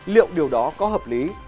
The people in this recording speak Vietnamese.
liệu điều đó có hợp lý